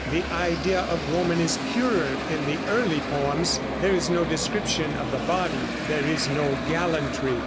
The idea of woman is purer in the early poems. There is no description of the body; there is no gallantry.